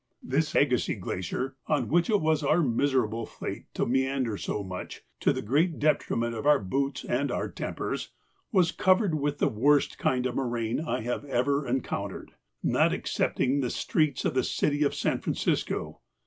This Agassiz Glacier, on which it was our miserable fate to meander so much, to the great detriment of our boots and our tempers, was covered with the worst kind of moraine I have ever encountered, not excepting the streets of the city of San Francisco.